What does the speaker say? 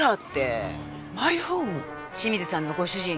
清水さんのご主人